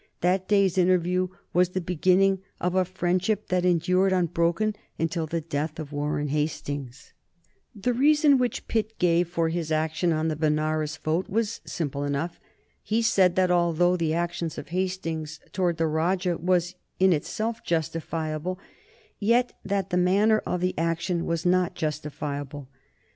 That day's interview was the beginning of a friendship that endured unbroken until the death of Warren Hastings. The reason which Pitt gave for his action on the Benares vote was simple enough. He said that, although the action of Hastings towards the Rajah was in itself justifiable, yet that the manner of the action was not justifiable.